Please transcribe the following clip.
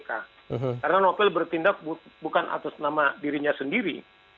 karena nobel bertindak bukan atas nama dirinya sendiri